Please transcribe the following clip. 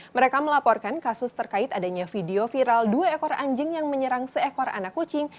mereka melaporkan kasus terkait adanya video viral dua ekor anjing yang menyerang seekor anak kucing